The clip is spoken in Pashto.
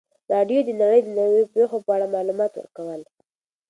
راډیو د نړۍ د نویو پیښو په اړه معلومات ورکول.